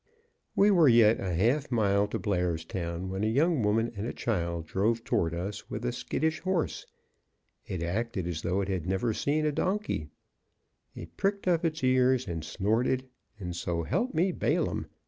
We were yet a half mile to Blairstown when a young woman and a child drove toward us with a skittish horse. It acted as though it had never seen a donkey. It pricked up its ears, and snorted, and, so help me Balaam!